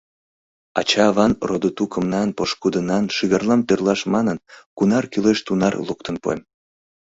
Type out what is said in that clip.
Ача-аван, родо-тукымнан, пошкудынан шӱгарлам тӧрлаш манын, кунар кӱлеш, тунар луктын пуэм».